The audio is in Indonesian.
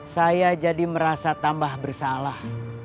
saya jadi merasa tambah bersalah